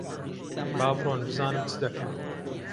با بڕۆن بزانم چ دەکەن؟